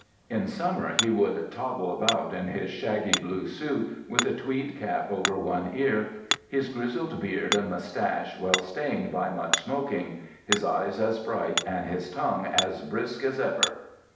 In summer he would toddle about in his shaggy blue suit, with a tweed cap over one ear, his grizzled beard and moustache well stained by much smoking, his eyes as bright and his tongue as brisk as ever.